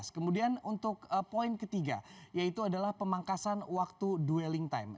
kemudian untuk poin ketiga yaitu adalah pemangkasan waktu dwelling time